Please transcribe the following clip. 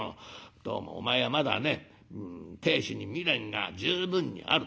どうもお前はまだね亭主に未練が十分にある。